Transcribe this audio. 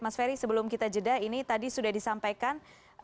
mas ferry sebelum kita jeda ini tadi sudah disampaikan